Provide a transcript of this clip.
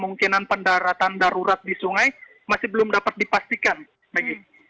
kemungkinan pendaratan darurat di sungai masih belum dapat dipastikan maggie